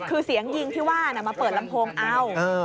คือเสียงยิงที่ว่ามาเปิดลำโพงเอ้า